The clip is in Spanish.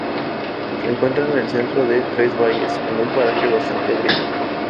Se encuentra en el centro de tres valles, en un paraje bastante árido.